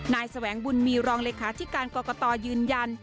นายแสวงบุญมีรองละขาที่การกรกตยืนยัน